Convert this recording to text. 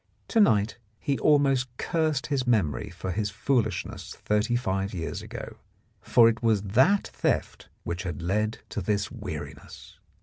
To night he almost cursed his memory for his foolishness thirty five years ago, for it was that theft which had led to this weariness.